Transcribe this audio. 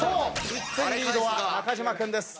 １点リードは中島君です。